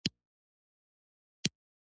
ایا زه باید بوره وخورم؟